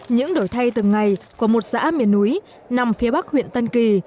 những đổi thay từng ngày của một xã miền núi nằm phía bắc huyện tân kỳ